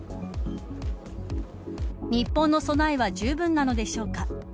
日本の備えはじゅうぶんなのでしょうか。